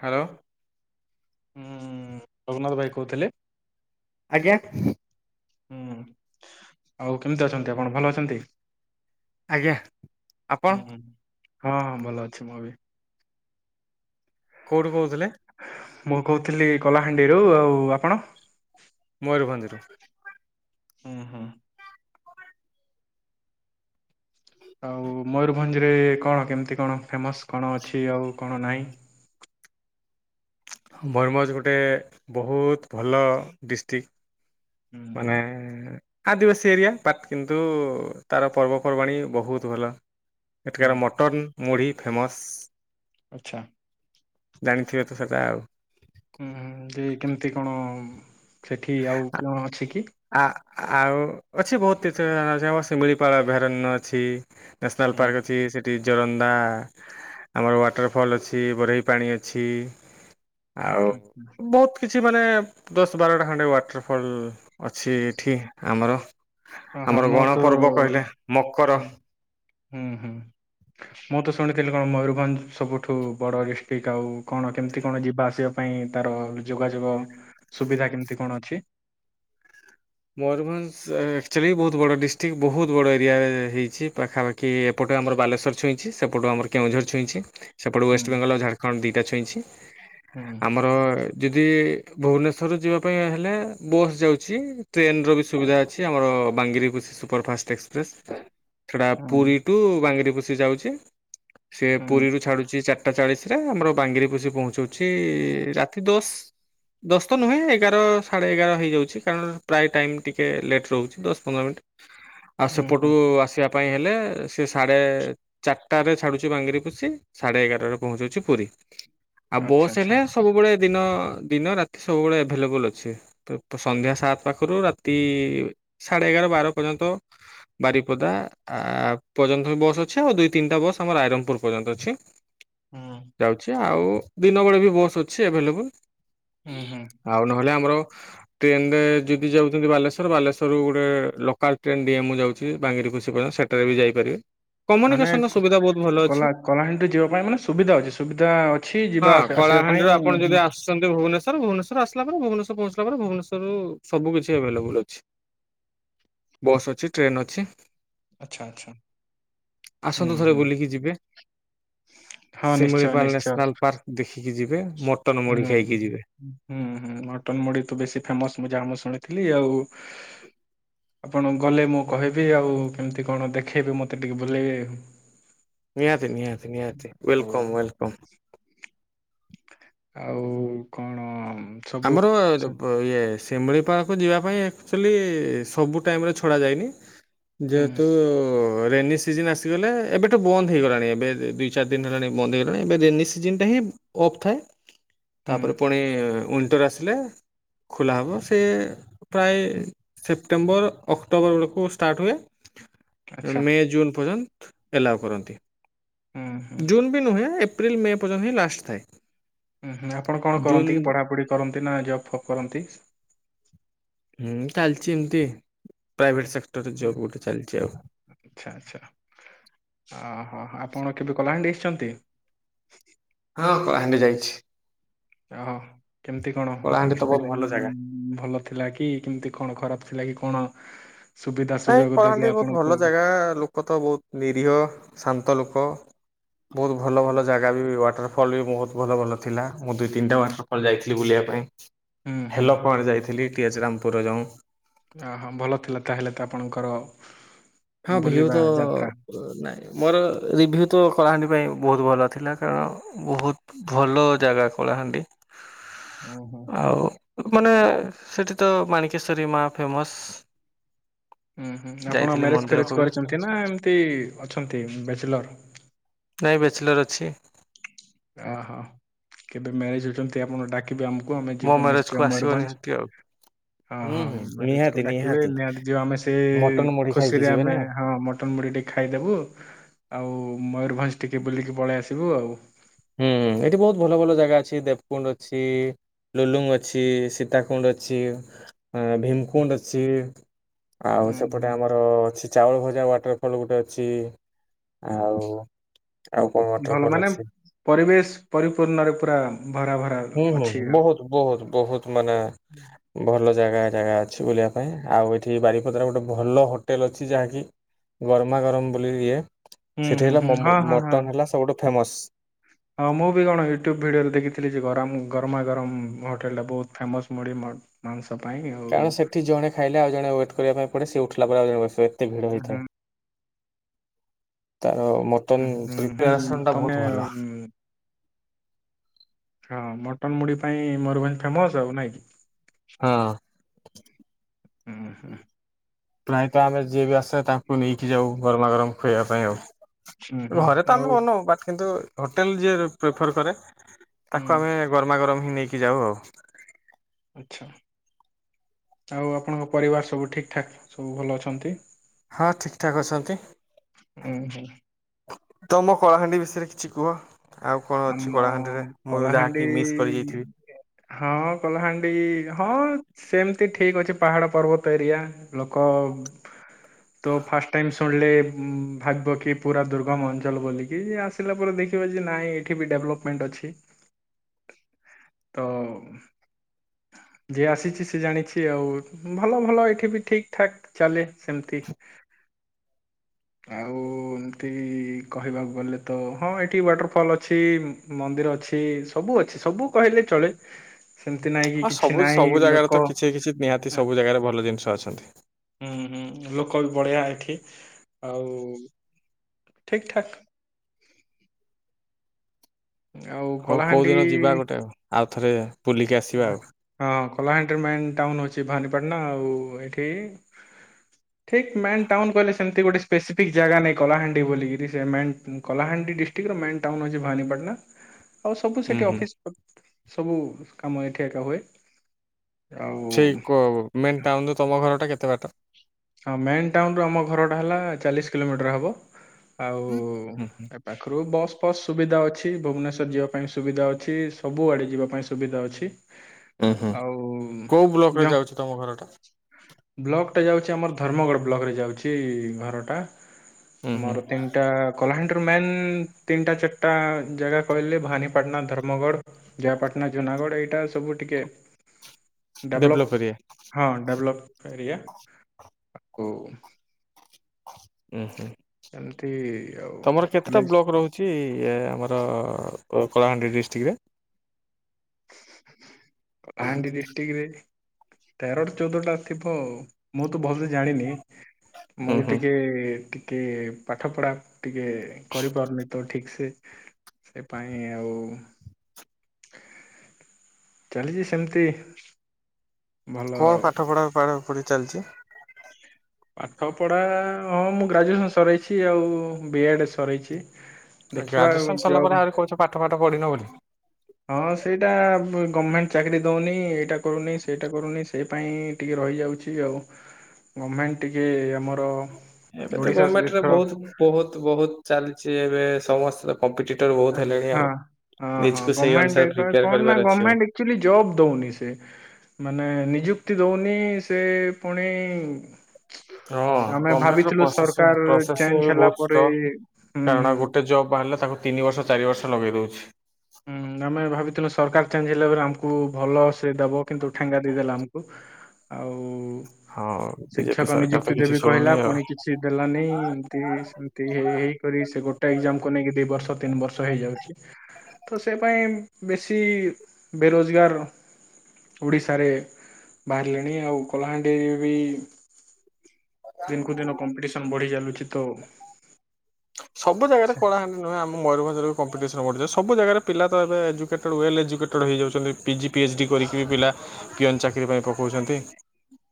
Hello, ହୁଁ-ଉ-ଉ ରଘୁନାଥ ଭାଇ କହୁଥିଲେ? ଆଜ୍ଞା, ହୁଁ ଆଉ କେମିତି ଅଛନ୍ତି ଆପଣ, ଭଲ ଅଛନ୍ତି? ଆଜ୍ଞା, ହୁଁ ହୁଁ ହଁ ହଁ ଭଲ ଅଛି ମୁଁ ବି। କୋଉଠୁ କହୁଥିଲେ? ମୁଁ କହୁଥିଲି କଳାହାଣ୍ଡିରୁ। ଆଉ ଆପଣ? ମୟୂରଭଞ୍ଜରୁ। ହୁଁ ହୁଁ। ଆଉ ମୟୂରଭଞ୍ଜ ରେ କଣ କେମିତି କଣ ଫେମସ କଣ ଅଛି ଆଉ କଣ ନାହିଁ? [unintelligible] ମୟୂରଭଞ୍ଜ ଗୋଟେ ବହୁତ ଭଲ ଡିଷ୍ଟ୍ରିକ୍ଟ। ହୁଁ ମାନେ-ଏ-ଏ ଆଦିବାସୀ ଏରିଆ ପାଟ୍ କିନ୍ତୁ ତାର ପର୍ବପର୍ବାଣି ବୋହୁତ ଭଲ। ଏଠିକାର ହୁଁ ମଟନ ମୁଢ଼ି ଫେମସ୍। ଆଚ୍ଛା। ଜାଣିଥିବେ ତ ସେଟା ଆଉ। ହୁଁ ହୁଁ ଯେ କେମିତି କଣ ସେଠି ଆଉ କିଅଣ ଅଛି କି। ଆ ଆଉ ଅଛି ବୋହୁତ ତିଥି ଆଁ ସେ ଆମର ସିମିଳିପାଳ ଅଭୟାରଣ୍ୟ ଅଛି। ନେଶ୍ନାଲ ପାର୍କ ଅଛି ସେ ଟି ଜୋରୋନ୍ଦା ଆମର ୱାଟରଫଲ୍ ଅଛି ବୋରେଇ ପାଣି ଅଛି। ଆଉ ବୋହୁତ କିଛି ମାନେ ଦଶ ବାରଟା ଖଣ୍ଡେ ୱାଟରଫଲ୍ ଅଛି ଏଠି ଆମର ହଁ ହଁ ଆମର ମୁଁ ଗଣ ତ ପର୍ବ କହିଲେ ମକର ଉଁହୁଁ ମୁଁ ତ ଶୁଣି ଥିଲି କଣ ମୟୂରଭଞ୍ଜ ସବୁଠୁ ବଡ଼ ଡିଷ୍ଟିକ୍ ଆଉ କଣ କେମିତି କଣ ଯିବା ଆସିବା ପାଇଁ ତାର ଯୋଗାଯୋଗୋ ସୁବିଧା କେମିତି କଣ ଅଛି। ମୟୂରଭଞ୍ଜ ଆକ୍ଚୋଲି ବୋହୁତ ବଡ଼ ଡିଷ୍ଟିକ୍ ବୋହୁତ ବଡ଼ ଏରିଆ ହେଇଛି ପାଖାପାଖି ଏପ ଟେ ଆମର ବାଲେଶ୍ୱର ଛୁଇଁଛି ସେପଟୁ ଆମର କେଉଁଝର ଛୁଇଁଛି। ସେପଟୁ ହୁଁ ୱେଷ୍ଟବେଙ୍ଗଲ ଆଉ ଝାରଖଣ୍ଡ ଦିଇଟା ଛୁଇଁଛି ହୁଁ ଆମର ଯଦି ଭୁବନେଶ୍ୱରରୁ ଯିବା ପାଇଁ ହେଲେ ବସ୍ ଯାଉଛି। ଟ୍ରେନର ବି ସୁବିଧା ଅଛି ଆମର ବାଙ୍ଗିରପୋଶି ସୁପରଫାଷ୍ଟ ଏକ୍ସପ୍ରେସ୍। ସେଟା ହୁଁ ପୁରୀ ଟୁ ବାଙ୍ଗିରପୋଶି ଯାଉଛି। ସେ ହୁଁ ପୁରୀରୁୁ ଛାଡୁଚି ଚାର୍ଟା ଚାଳିଶରେ ଆମର ବାଙ୍ଗିରପୋଶି ପହଞ୍ଚୁଛି ରାତି ଦଶ ଦଶ ତ ନୁହେଁ ଏଗାର ସାଢେ ଏଗାର ହେଇଯାଉଛି କାରଣ ପ୍ରାଏ ଟାଇମ୍ ଟିକେ ଲେଟ୍ ରୋହୁଛି ଦଶ ପନ୍ଦର ମିନିଟ୍ ଆଉ ହୁଁ ସେପଟୁ ହୁଁ ଆସିବା। ପାଇଁ ହେଲେ ସେ ସାଢ଼େ ଚାର୍ଟାରେ ଛାଡୁଛି ବାଙ୍ଗିରପୋଶି ସାଢ଼େ ଏଗାରରେ ପହଞ୍ଚୁଛି ପୁରୀ। ଆଉ ଆଚ୍ଛା ବସ୍ ଆଚ୍ଛା ହେଲେ ସବୁବୋଳେ ଦିନ ଦିନ ରାତି ସବୁବେଳେ ଏଭେଲେବୁଲ ଅଛି ପ ସନ୍ଧ୍ୟା ସାତ ପାଖୁରୁ ରାତି ସାଢ଼େ ଏଗାର ବାର ପର୍ଯ୍ୟନ୍ତ ବାରିପଦା ଆଁ ପର୍ଯ୍ୟନ୍ତ ବସ୍ ଅଛି। ଆଉ ଦୁଇ ତିନିଟା ବସ୍ ଆମର ରାଇରଙ୍ଗପୁରୁ ପର୍ଯ୍ୟନ୍ତ ଅଛି। ହୁଁ ଯାଉଛି ଆଉ ଦି ନମ୍ୱର୍ ବି ବସ୍ ଅଛି ଆଭେଲେବୁଲ୍। ହୁଁ ହୁଁ ଆଉ ନହେଲେ ଆମର ଟ୍ରେନରେ ଯି ବି ଯାଉଚନ୍ତି ବାଲେଶ୍ୱର ବାଲେଶ୍ୱରରୁ ଗୋଟେ ଲୋକାଲ୍ ଟ୍ରେନ୍ ଡିଏମ୍ ରୁ ଯାଉଛି ବାଙ୍ଗିରି ପଶି ପର୍ଯ ସେଠାରେ ବି ଯାଇପାରିବେ। ମାନେ କମ୍ୟୁନିକେସନର ସୁବିଧା ବହୁତ ଭଲ ଅଛି। କଲା କଲାହାଣ୍ଡିରେ ଯିବା ପାଇଁ ମାନେ ସୁବିଧା ଅଛି ସୁବିଧା ଅଛି ଯିବା ହଁ ପା କଳାହାଣ୍ଡିରୁ ଆପଣ ଯଦି ଆସୁଛନ୍ତି ଭୁବନେଶ୍ୱର ଭୁବନେଶ୍ୱର ଆସିଲା ପରେ ଭୁବନେଶ୍ୱର ପହଞ୍ଚିଲା ପରେ ଭୁବନେଶ୍ୱରରୁ ସବୁ କିଛି ଆଭେଲେବୁଲ ଅଛି ବସ୍ ଅଛି ଟ୍ରେନ ଅଛି। ଆଚ୍ଛା ଆଚ୍ଛା। ହୁଁ ଆସନ୍ତୁ ଥରେ ହୁଁ ବୁଲିକି ଯିବେ। ହଁ ନିଶ୍ଚୟ ଶିମିଳିପାଲ ନିଶ୍ଚୟ ନେଶ୍ନାଲ୍ ପାର୍କ ଦେଖିକି ଯିବେ ମଟନ ମୁଢ଼ି ଖାଇକି ଯିବେ। ଉଁହୁଁ ମଟନ୍ ମୁଢି ତ ବେଶ ଫେମସ ମୁଁ ଯାହା ମୁଁ ଶୁଣି ଥିଲି ଆଉ ଆପଣ ଗଲେ ମୁଁ କହିବି ଆଉ ଏମିତି କଣ ଦେଖେଇବେ ମୋତେ ଟିକେ ବୁଲେଇବେ ଆଉ। ନିହାତି ନିହାତି ନିହାତି ୱେଲକମ୍ ୱେଲକମ୍। ଆଉ କଣ ସବୁ ଆମର ହୁଁ ଲୋ ଇଏ ସି ଶିମିଳିପାଳକୁ ଯିବା ପାଇଁ ଆକ୍ଚୋଲି ସବୁ ଟାଇମରେ ଛଡ଼ାଯାଇନି। ଯେହେତୁ ରେନି ସିଯିନ୍ ଆସିଗଲେ ଏବେ ତ ବନ୍ଦ ହେଇଗଲାଣି ଏବେ ଦୁଇ ଚାରି ଦିନି ହେଲାଣି ବନ୍ଦ ହେଇଗଲାଣି ଏବେ ରେନି ସିଯିନ୍ ଟା ହିଁ ଅଫ୍ ଥାଏ ହୁଁ ତାପରେ ପୁଣି ୱିଣ୍ଟର ଆସିଲେ ଖୋଲା ହବ ସେଏ ପ୍ରାଏ ସେପ୍ଟେମ୍ବର ଅକ୍ଟୋବର ବେଳକୁ ଷ୍ଟାର୍ଟ ହୁଏ। ଆଚ୍ଛା ମେ ଜୁନ୍ ପର୍ଯ୍ୟନ୍ତ ଏଲୋଉ କରନ୍ତି। ହୁଁ ହୁଁ ଜୁନ୍ ବି ନୁହେଁ ଏପ୍ରିଲ ମେ ପର୍ଯ୍ୟନ୍ତ ହିଁ ଲାଷ୍ଟ ଥାଏ। ହୁଁ ହୁଁ ଆପଣ କଣ ଜୁନ୍ କରନ୍ତି କି ପଢାପଢି କରନ୍ତି ନା ଜବ ଫବ କରନ୍ତି? ହୁଁ ଚାଲିଛି ଏମିତି ପ୍ରାଇଭେଟ ସେକ୍ଟ ହ ଆଛା ଆଛା ହ ହୋ ଆପଣ କେବେ କଳାହାଣ୍ଡି ଆସିଛନ୍ତି। ହଁ କଳାହାଣ୍ଡି ଯାଇଛି। ଓହୋ କେମତି କଣ? କଳାହାଣ୍ଡି ତ ବହୁତ ଏକ୍ସପିରିଏସ ଭଲ ଜାଗା। ଭଲ ଥିଲା କି କେମତି କଣ ଖରାପ ଥିଲା କି କଣ? ସୁବିଧା ନାଇଁ ସୁଯୋଗ ଦେଲେ କଳାହାଣ୍ଡି ବହୁତ ଆପଣଙ୍କୁ ଭଲ ହୁଁ ଜାଗା, ଲୋକ ତ ବହୁତ ନିରୀହ ଶାନ୍ତ ଲୋକ। ବହୁତ ଭଲ ଭଲ ଜାଗା ବି, ୱାଟର ଫଲ ବି ବହୁତ ଭଲ ଭଲ। ଥିଲା, ମୁଁ ଦୁଇ ତିନିଟା ମାସ ପରେ ଯାଇଥିଲି ବୁଲିବା ପାଇଁ, ହୁଁ [unintelligible] ଯାଇଥିଲି। [unintelligible] ରାମପୁର ଯାଉଁ। ହଁ ଭଲ ଥିଲା ତାହେଲେ ତ ଆପଣଙ୍କର ହଁ ଭିଉ ବୁଲିବା ତ ଯାତ୍ରା ନାଇଁ ମୋର ରିଭି୍ୟୁ ତ କଳାହାଣ୍ଡି ପାଇଁ ବହୁତ ଭଲ ଥିଲା, କାରଣ ବହୁତ ଭଲ ଜାଗା କଳାହାଣ୍ଡି। ଉଁ ହୁଁ ଆଉ ମାନେ ସେଠି ତ ମାଣିକେଶ୍ୱରୀ ମା ଫେମସ। ହୁଁ ହୁଁ ଆପଣ ମ୍ୟାରେଜ ଫେରେଜ ବି କରିଛନ୍ତି ନା ଏମତି ଅଛନ୍ତି ବ୍ୟାଚଲର? ବ୍ୟାଚଲର ଅଛି। ଅହୋ, କେବେ ମ୍ୟାରେଜ ହଉଛନ୍ତି ଆପଣ ଡାକି? ଆମକୁ ଆମେ ମୋ ଯିବୁ ମ୍ୟାରେଜକୁ ନିଶ୍ଚୟ ଆସିବ ମୟୂରଭଞ୍ଜ। ନିହାତି ଆଉ। ହଁ ହୁଁ ହଁ ହୁଁ ମ୍ୟାରେଜ ନିହାତି କୁ ଡାକିବେ ନିହାତି, ଯିବ ଆମେ ସେ ମଟନ ମୁଢି ଖାଇକି ଖୁସିରେ ଯିବେ ଆମେ ନା। ହଁ ମଟ ଟିକେ ଖାଇଦବୁ ଆଉ ମୟରଭଞ୍ଜ ଟିକେ ବୁଲିକି ପଳେଇ ଆସିବୁ ଆଉ ହୁଁ, ଏଠି ବହୁତ ଭଲ ଭଲ ଜାଗା ଅଛି ଦେବକୁଣ୍ଡ ଅଛି ଲୁଲୁଙ୍ଗ ଅଛି, ସୀତାକୁଣ୍ଡ ଅଛି। ଭୀମକୁଣ୍ଡ ଅଛି ଆଉ ହୁଁ ସେପଟେ ହୁଁ ଆମର ଅଛି ଚାଉଳ ଭଜା ୱାଟରଫଲ୍ ଗୋଟେ ଅଛି ଆଉ ଆଉ କଣ ଭଲ ୱାଟରଫଲ ମାନେ ଅଛି? ପରିବେଶ ପରିପୂର୍ଣ୍ଣରେ ପୁରା ଭରା ଭରା ହୁଁ ଅଛି ହୁଁ ଆଉ। ବହୁତ ବହୁତ ବହୁତ ମାନେ ଭଲ ଜାଗା ଜାଗା ଅଛି ବୁଲିବା ପାଇଁ ଆଉ ଏଠି ବାରିପଦାରେ ଗୋଟେ ଭଲ ହୋଟେଲ ଅଛି ଯାହାକି ଗରମ ଗରମ ବୋଲି ଇଏ, ହୁଁ ସେଠି ହୁଁ ହେଲା ହୁଁ ହଁ ହଁ ହଁ ମଟନ ହେଲା ସବୁଠୁ ଫେମସ। ହଁ ମୁଁ ବି କଣ ୟୁଟ୍ୟୁବ ଭିଡିଓରେ ଦେଖିଥିଲି ଯେ ଗରମ ଗରମ ଗରମ ହୋଟେଲ ଟା ବହୁତ ଫେମସ ମୁଢି ମ [unintelligible] ଆଉ ହୁଁ କାରଣ ସେଠି ଜଣେ ଖାଇଲେ, ଆଉ ଜଣେ ୱେଟ୍ କରିବା ପାଇଁ ପଡ଼େ, ସେ ଉଠିଲା ପରେ ଆଉ ଜଣେ ବ ଏତେ ଭିଡ଼ ହୋଇଥାଏ। ହୁଁ। ତ ମଟନ ପ୍ରିପାରେସନ ଟା ତମେ ବହୁତ ଭଲ। ହଁ ମଟନ ମୁଢ ପାଇଁ ମୟୂରଭଞ୍ଜ ଫେମସ ଆଉ ନାଇଁ କି? ହୁଁ ହୁଁ ପ୍ରାୟତଃ ଆମେ ଯିଏ ବି ଆସେ ତାଙ୍କୁ ନେଇକି ଯାଉ ଗରମା ଗରମ ଖୁଆଇବା ପାଇଁ ଆଉ, ହୁଁ ହୁଁ ଘରେ ତ ଆମେ ଆଉ ବନଉ ବଟ୍ କିନ୍ତୁ ହୋଟେଲ ଯିଏ ପ୍ରିଫର୍ କରେ। ତାକୁ ହୁଁ ଆମେ ଗରମ ଗରମ ହିଁ ନେଇକି ଯାଉ ଆଉ ଆଛା, ଆଉ ଆପଣଙ୍କ ପରିବାର ସବୁ ଠିକ ଠାକ ସବୁ ଭଲ ଅଛନ୍ତି। ହଁ ଠିକ ଠାକ୍ ଅଛନ୍ତି। ଉଁ ହୁଁ ତମ କଳାହାଣ୍ଡି ବିଷୟରେ କିଛି କୁହ? ଆଉ କଣ ଅଛି ଆମ କଳାହାଣ୍ଡିରେ ମୁଁ କଳାହାଣ୍ଡି ଯାହାକି ମିସ୍ କରିଯାଇଥିବି? ହଁ କଳାହାଣ୍ଡି, ହଁ ସେମ ଠିକ ଅଛି ପାହାଡ ପର୍ବତ ଏରିଆ, ଲୋକ ତ ଫାଷ୍ଟ ଟାଇମ ଶୁଣିଲେ ଭାଗିବ କି ପୁରା ଦୁର୍ଗମ ଅଞ୍ଚଳ ବୋଲିକି ଆସିଲା ପରେ ଦେଖିବା ଯେ ନାଇଁ ଏଠି ବି ଡେଭଲପମେଣ୍ଟ ଅଛି, ତ ଯିଏ ଆସିଛି, ସେ ଜାଣିଛି ଆଉ ଭଲ ଭଲ ଏଇଠି ବି ଠିକ ଠାକ୍ ଚାଲେ। ସେମିତି ଆଉ ଏମତି କହିବାକୁ ଗଲେ ତ ହଁ ଏଠି ୱାଟରଫଲ୍ ଅଛି। ଅଛି ମନ୍ଦିର ଅଛି ସବୁ ଅଛି ସବୁ କହିଲେ ଚଳେ। ସେମିତି ନାହିଁ କି ହଁ କିଛି ସବୁ ନାହିଁ ସବୁ ଜାଗାରେ ତ ଲୋକ କିଛି କିଛି ନିହାତି ସବୁ ଜାଗାରେ ଭଲ ଜିନିଷ ଅଛନ୍ତି। ହୁଁ ହୁଁ ଲୋକ ବି ବଢିଆ ଏଠି ଆଉ। ଠିକ ଠାକ। ଆଉ ହଉ କୋଉ ଦିନ କଳାହାଣ୍ଡି ଯିବା ଗୋଟେ ଆଉଥରେ। ହଁ କଳାହାଣ୍ଡି ମେନ ଟାଉନ ଅଛି। ଅଛି ଭାନିପାଟଣା ଆଉ ଏଇଠି। ଠିକ ମେନ ଟାଉନ କହିଲେ ସେମିତି ଗୋଟେ ସ୍ପେସିଫିକ୍ ଜାଗା ନାଇଁ କଳାହାଣ୍ଡି ବୋଲିକିରି କଳାହାଣ୍ଡି ଡିଷ୍ଟ୍ରିକ୍ଟର ମେନ୍ ଟାଉନ ଅଛି ଭାନିପଟଣା। ଆଉ ସବୁ ହୁଁ ସେଠି ହୁଁ ଅଫିସ ସବୁ କାମ ଏଠି ଏକା ହୁଏ। ଆଉ ସେଇ ମେନ୍ ଟାଉନ ତମ ଘର ଟା କେତେ ବାଟ? ହଁ ମେନ୍ ଟାଉନ୍ ରୁ ଆମ ଘରଟା ହେଲା ଚାଳିଶ କିଲୋମିଟର ହେବ। ଆଉ ହୁଁ ହୁଁ। ଏ ପାଖରୁ ବସ୍ ଫସ୍ ସୁବିଧା ଅଛି। ଅ ଭୁବନେଶ୍ଵର ଯିବା ପାଇଁ ସୁବିଧା ଅଛି ସବୁ ଆଡେ ଯିବା ପାଇଁ ସୁବିଧା ଅଛି। ଉଁ ହୁଁ। ଆଉ କୋଉ ବ୍ଲକରେ ଯ ଯାଉଛି ତମ ଘରଟା? ବ୍ଲକଟା ଯାଉଛି ଆମର ଧର୍ମଗଡ଼ ବ୍ଲକରେ ଯାଉଛି ଘରଟା। ଉଁ ହୁଁ ଆମର ତିନିଟା କଳାହାଣ୍ଡି ମେନ୍ ତିନିଟା ଚାରିଟା ଜାଗା କହିଲେ ଭାନିପାଟଣା ଧର୍ମଗଡ ଜୟପାଟଣା ଯୋଉ ନୟାଗଡ଼ ଏଇଟା ସବୁ ଟିକେ ଡେଭଲପ ଡେଭଲପ୍ ଏରିଆ। ହଁ ଡେଭଲପ। କାରିଆ ଆ ଉ। ଉୁଁ ହୁଁ। ଏମିତି ତମର କେତେଟା ବ୍ଲକ ରହୁଛି ଆମର କଳାହାଣ୍ଡି ଡିଷ୍ଟିକିରେ। କଳାହାଣ୍ଡି ଡିଷ୍ଟ୍ରିକ୍ଟରେ ତେରଟା ଚଉଦଟା ଥିବ ମୁଁ ତ ଭଲସେ ଜାଣିନି। ମୁଁ ହୁଁ ହୁଁ। ଟିକେ କି ପାଠ ପଢ଼ା ଟିକେ କରିପାରୁନି ତ ଠିକ୍ ସେ ସେ ପାଇଁ ଆଉ ଚାଲିଛି ସେମିତି। କଣ ଭଲ ପାଠ ପଢା ପୁଢି ଚାଲିଛି? ପାଠପଢ଼ା ହଁ ମୁଁ ଗ୍ରାଜୁଏସନ୍ ସରାଇଛି ଆଉ ବି ଏଡ଼୍ ସରେଇଛି। ଗ୍ରାଜୁଏସନ ସରିଲା ପରେ ଆହୁରି କହୁଛ ପାଠ ଫାଠ ପଢିନ ବୋଲି। ହଁ ସେଇଟା ବ ଗମେଣ୍ଟ ଚାକିରି ଦଉନି ଏଇଟା କରୁନି ସେଇଟା କରୁନି ସେ ପାଇଁ ଟିକେର ରହିଯାଉଛି ଆଉ ଗମେଣ୍ଟ ଟିକେ ଆମର ଏବେ ତ ଓଡିଶା ଗମେଣ୍ଟରେ ସହିତ ବହୁତ୍ ବହୁତ୍ ବହୁତ୍ ଚାଲିଛି ଏବେ ସମସ୍ତ ବହୁତ୍ ହେଲେଣି ଆଉ। ଅ ହଁ ନିଜକୁ ସେଇ ଗମେଣ୍ଟ ଅନୁସାରେ ଏବେ ପ୍ରିପେୟାର କଣ ନା କରିବାର ଅଛି ଆଉ। ଗମେଣ୍ଟ ଆକ୍ଟୁଲି ଜବ ଦଉନି ସେ। ମାନେ ନିଯୁକ୍ତି ଦଉନି ସେ ପୁଣି ହଁ ଆମେ ଗଭର୍ଣ୍ଣମେଣ୍ଟର ଭାବିଥିଲୁ ପ୍ରୋସେସିଂ ସରକାର ପ୍ରୋସେସିଂ ଚେଞ୍ଜ ବି ହେଲା ବହୁତ ପରେ ସ୍ଲୋ ହୁଁ କାରଣ ହୁଁ। ଗୋଟେ ଜବ୍ ବାହାରିଲେ ତାକୁ ତିନି ବର୍ଷ ଚାରି ବର୍ଷ ଲଗେଇ ଦଉଛି। ହୁଁ ଆମେ ଭାବିଥିଲୁ ସରକାର ଚେଞ୍ଜ ହେଲା ପରେ ଆମକୁ ଭଲ ସେ ଦବ କିନ୍ତୁ ଠେଙ୍ଗା ଦେଇଦେଲା ଆମକୁ। ଆଉ ହଁ। ବିଜେପି ଶିକ୍ଷକ ସରକାର ତ ନିଯୁକ୍ତି କିଛି ଦେବି କହିଲା ଶୁଣୁନି ଆଉ। ପୁଣି କିଛି ଦେଲାନି ଏମତି ସେମତି ହେଇ ହେଇ କରି ସେ ଗୋଟେ ଗୋଟେ ଏକ୍ଜାମକୁ ନେଇକି ଦି ବର୍ଷ ତିନି ବର୍ଷ ହେଇଯାଉଛି। ତ ସେଇ ପାଇଁ ବେଶୀ ବେରୋଜଗାର ଓଡ଼ିଶାରେ ବାହାରିଲେଣି ଆଉ କଳାହାଣ୍ଡିରେ ବି ଦିନକୁ ଦିନ କମ୍ପିଟିସନ ବଢ଼ି ଚାଲୁଛି ତ ସବୁ ଜାଗାରେ କଳାହାଣ୍ଡି ନୁହେଁ ଆମ ମୟୂରଭଞ୍ଜରେ କମ୍ପିଟିସନ ବଢିଯାଉଛି। ସବୁ ଜାଗାରେ ପିଲା ତ ଏବେ ଏଜୁେଟେଡ଼୍ ୱେଲ୍ ଏଜକେଟେଡ଼୍ ହେଯାଉଛନ୍ତି ପିଜି ପିଏଚ୍ କରିକି ବି ପିଲା ପିଅନ ଚାକିରି [unintelligible] ପାଇଁ ପକଉଛନ୍ତି?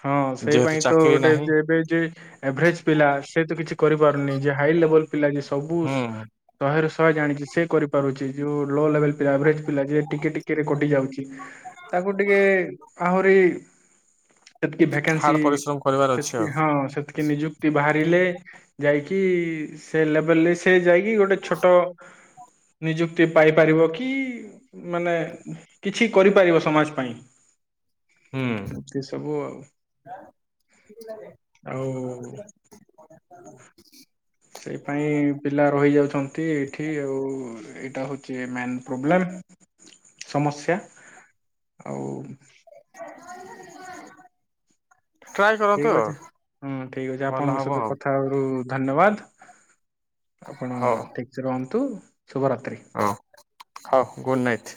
ହଁ ସେଇ ଯେହେତୁ ପାଇଁ ତ ଚାକିରି ଗୋଟେ ନାହିଁ ଏବେ ଯ ଏଭରେଜ ପିଲା ସେ ତ କିଛି କରିପାରୁନି ଯେ ହାଇଲେବଲ ପିଲା ସବୁ ହୁଁ ଶହେ ରୁ ସ ଜାଣିଛି ସେ କରିପାରୁଛି ଯେଉଁ ଲୋ ଲେବୁଲ୍ ପିଲା ଉପରେ ପିଲା ଯେ ଟିକେ ଟିକେରେ କଟି ଯାଉଛି ତାକୁ ଟିକେ ଆହୁରି ସେତିକି ଭେକେନ୍ସି ହାର୍ଡ଼ ପରିଶ୍ରମ କରିବାର ଅଛି ସେତିକି ଆଉ। ହଁ ସେତିକି ନିଯୁକ୍ତି ବାହାରେ ଲେ ଯାଇକି ସେ ଲେବଲ ସେ ଯାଇକି ଗୋଟେ ଛୋଟ ନିଯୁକ୍ତି ପାଇପାରିବ କି ମାନେ କିଛି କରିପାରିବ ସମାଜ ପାଇଁ ହୁଁ ଏମିତି ସବୁ ଆଉ। ଆଉ [unintelligible] ସେଇ ପାଇଁ ପିଲା ରହି ଯାଉଛନ୍ତି ଏଇଠି ଆଉ ଏଇଟା ହଉଛି ମେନ୍ ପ୍ରୋବ୍ଲେମ। ସମସ୍ୟା ଆଉ [unintelligible] କରନ୍ତୁ ଠିକ ଆଉ ଅଛ ହୁଁ ଠିକ ଅଛି ଭଲ ଆପଣଙ୍କ ହବ ସହିତ ଆଉ କଥାବାରୁ ଧନ୍ୟବାଦ। ଆପଣ ଠିକ ସେ ରୁହନ୍ତୁ। ଶୁଭରାତ୍ରି। ହଁ ହଉ ଗୁଡ଼ ନାଇଟ୍।